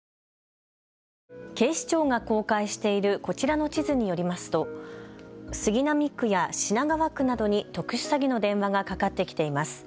警視庁が公開しているこちらの地図によりますと杉並区や品川区などに特殊詐欺の電話がかかってきています。